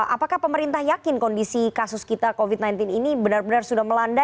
apakah pemerintah yakin kondisi kasus kita covid sembilan belas ini benar benar sudah melanda